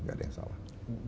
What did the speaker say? nggak ada yang salah